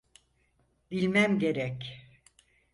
Bilmem gerek.